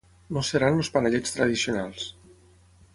No seran els panellets tradicionals.